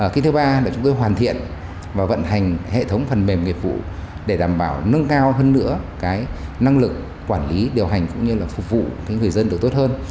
cái thứ ba là chúng tôi hoàn thiện và vận hành hệ thống phần mềm nghiệp vụ để đảm bảo nâng cao hơn nữa cái năng lực quản lý điều hành cũng như là phục vụ người dân được tốt hơn